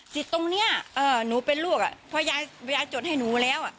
ตรงนี้หนูเป็นลูกเพราะยายจดให้หนูแล้ว